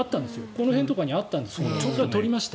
この辺とかにあったんですが取りました。